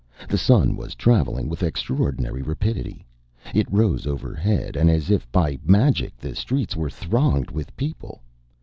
The sun was traveling with extraordinary rapidity. It rose overhead, and as if by magic the streets were thronged with people.